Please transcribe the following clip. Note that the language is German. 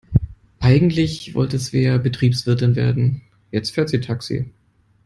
Eigentlich wollte Svea Betriebswirtin werden, jetzt fährt sie Taxi.